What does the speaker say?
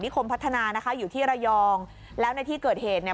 คมพัฒนานะคะอยู่ที่ระยองแล้วในที่เกิดเหตุเนี่ย